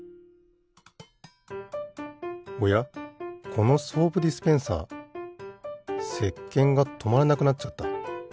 このソープディスペンサーせっけんがとまらなくなっちゃった。